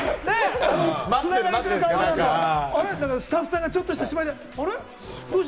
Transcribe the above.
スタッフさんがちょっとした瞬間に、芝居で、あれ？